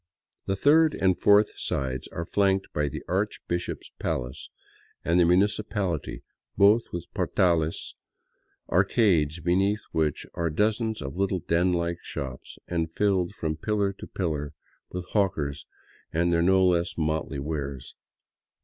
The third and fourth sides are flanked by the archbishop's palace and the municipaHty, both with portales, arcades beneath which are dozens of little den like shops, and filled from pillar to pillar with hawkers and their no less motley wares.